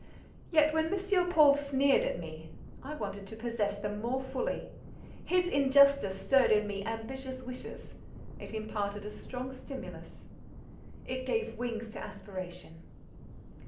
Yet, when M. Paul sneered at me, I wanted to possess them more fully; his injustice stirred in me ambitious wishes—it imparted a strong stimulus—it gave wings to aspiration.